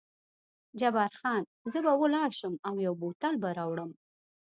جبار خان: زه به ولاړ شم او یو بوتل به راوړم.